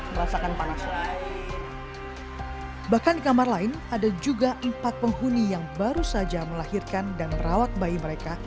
merasakan panasnya bahkan di kamar lain ada juga empat penghuni yang baru saja melahirkan dan merawat bayi mereka